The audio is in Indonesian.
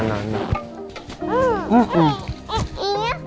nah nah nah